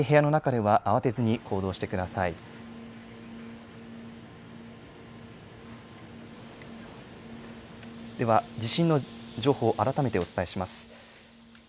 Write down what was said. では、地震の情報、改めてお伝えします。